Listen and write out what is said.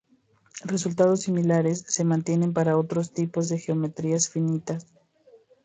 Resultados similares se mantienen para otros tipos de geometrías finitas.